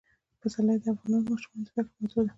پسرلی د افغان ماشومانو د زده کړې موضوع ده.